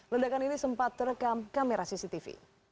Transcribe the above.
ledakan ini sempat terekam kamera cctv